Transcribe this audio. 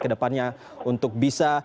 kedepannya untuk bisa